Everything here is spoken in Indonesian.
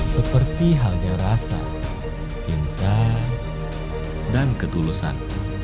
seperti halnya rasa cinta dan ketulusan